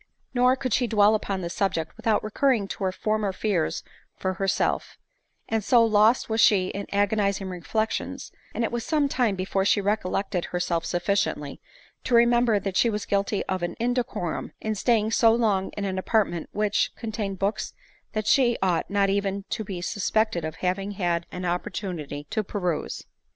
Nor could she dwell upon this subject without recurring to her former fears for herself; and so lost was she in agonizing reflections, that it was some time before she recollected herself sufficiently to remember that she was guilty of an indecorum, in staying so long in an apart* ment which contained books that she ought not even to be suspected of having had an opportunity to peruse.